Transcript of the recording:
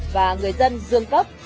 và người dân dương tây